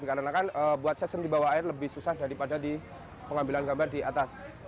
karena kan buat session di bawah air lebih susah daripada di pengambilan gambar di atas